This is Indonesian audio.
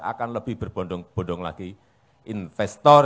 akan lebih berbodong bodong lagi investor